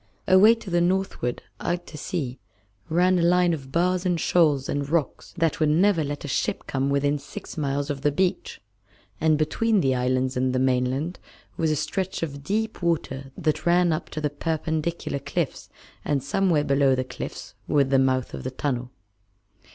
Away to the northward, out to sea, ran a line of bars and shoals and rocks that would never let a ship come within six miles of the beach, and between the islands and the mainland was a stretch of deep water that ran up to the perpendicular cliffs, and somewhere below the cliffs was the mouth of the tunnel.